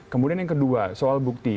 kemudian yang kedua soal bukti